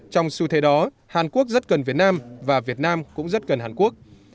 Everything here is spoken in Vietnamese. trong xu thế đó hàn quốc rất gần việt nam và việt nam cũng rất gần hàn quốc